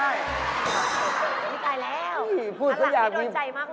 นี่ตายแล้วหลังไม่โดนใจมากเลยอ่ะพูดถึงอยากมี